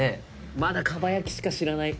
まだ蒲焼しか知らない。